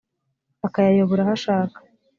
akayayobora aho ashaka